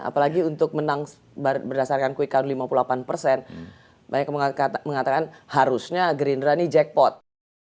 apalagi untuk menang berdasarkan kuih kau lima puluh delapan banyak mengatakan harusnya gerindra ini jackpot